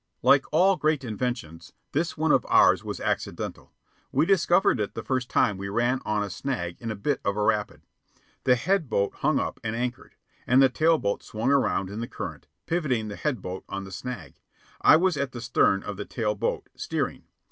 Like all great inventions, this one of ours was accidental. We discovered it the first time we ran on a snag in a bit of a rapid. The head boat hung up and anchored, and the tail boat swung around in the current, pivoting the head boat on the snag. I was at the stern of the tail boat, steering.